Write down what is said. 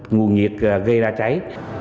nguồn nhiệt gây ra cháy